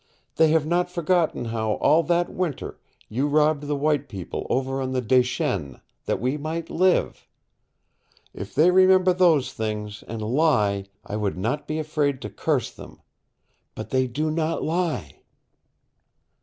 They have not forgotten how all that winter you robbed the white people over on the Des Chenes, that we might live. If they remember those things, and lie, I would not be afraid to curse them. But they do not lie."